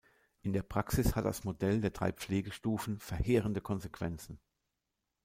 In der Praxis hat das Modell der drei Pflegestufen verheerende Konsequenzen.